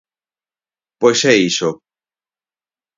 Pois é iso.